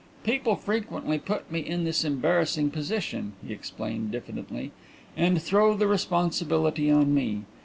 "People frequently put me in this embarrassing position," he explained diffidently, "and throw the responsibility on me.